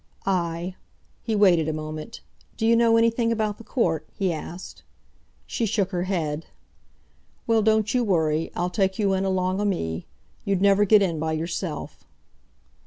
"Aye." He waited a moment. "D'you know anyone about the court?" he asked. She shook her head. "Well, don't you worry. I'll take you in along o' me. You'd never get in by yourself."